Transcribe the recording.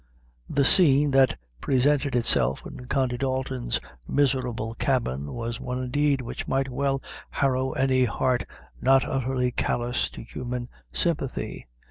The scene that presented itself in Condy Dalton's miserable cabin was one, indeed, which might well harrow any heart not utterly callous to human sympathy.